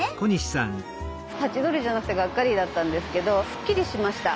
ハチドリじゃなくてがっかりだったんですけどすっきりしました。